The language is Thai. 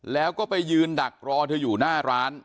แล้วก็ไปยืนดักรอเธออยู่หน้าร้าน